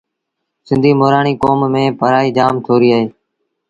سنڌيٚ مورآڻيٚ ڪوم ميݩ پڙهآئيٚ جآم ٿوريٚ اهي